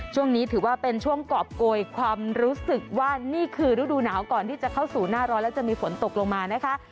ช่วงนี้ถือว่าเป็นช่วงกรอบโกยความรู้สึกว่านี่คือฤดูหนาวก่อนที่จะเข้าสู่หน้าร้อนแล้วจะมีฝนตกลงมานะคะ